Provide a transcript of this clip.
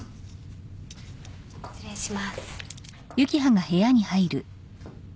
失礼します。